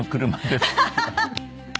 ハハハハ。